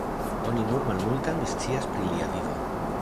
Oni nur malmultan scias pri lia vivo.